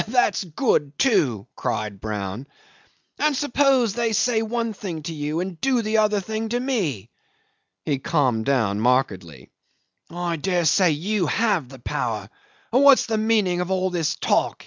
That's good, too," cried Brown; "Suppose they say one thing to you, and do the other thing to me." He calmed down markedly. "I dare say you have the power, or what's the meaning of all this talk?"